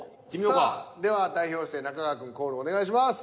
さあでは代表して中川くんコールお願いします。